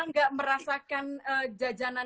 nggak merasakan jajanan